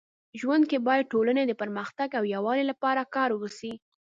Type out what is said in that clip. ژوند کي باید ټولني د پرمختګ او يووالي لپاره کار وسي.